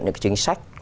những chính sách